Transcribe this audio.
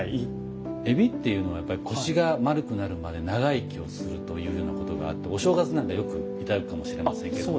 海老っていうのはやっぱり腰が丸くなるまで長生きをするというようなことがあってお正月なんかよく頂くかもしれませんけれども。